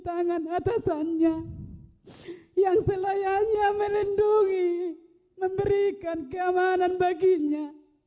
tangan atasannya yang selayaknya melindungi memberikan keamanan baginya